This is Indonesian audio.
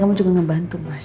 kali kamu juga gak bantu mas